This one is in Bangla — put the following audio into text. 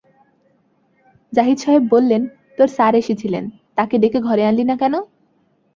জাহিদ সাহেব বললেন, তোর স্যার এসেছিলেন, তাঁকে ডেকে ঘরে আনলি না কেন?